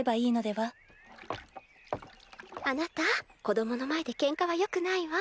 あなた子供の前でケンカはよくないわ。